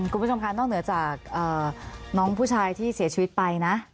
คุณผู้ชมค่ะนอกเหนือจากน้องผู้ชายที่เสียชีวิตไปนะ